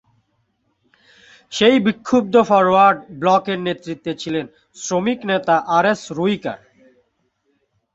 সেই বিক্ষুব্ধ ফরওয়ার্ড ব্লকের নেতৃত্বে ছিলেন শ্রমিক নেতা আর এস রুইকর।